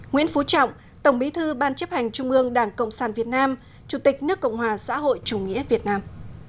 nguyễn phú trọng tổng bí thư ban chấp hành trung ương đảng cộng sản việt nam chủ tịch nước cộng hòa xã hội chủ nghĩa việt nam